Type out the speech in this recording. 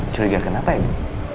curiga kenapa ibu